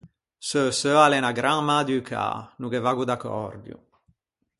Seu seu a l’é unna gran mäducâ, no ghe vaggo d’accòrdio.